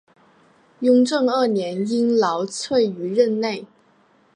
雍正二年因劳卒于任内。